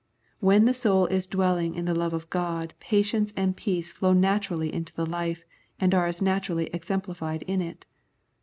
When the soul is dwelling in the love of God patience and peace flow naturally into the life, and are as naturally exemplified in it.